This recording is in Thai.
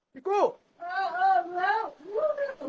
พี่กู้